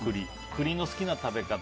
栗の好きな食べ方。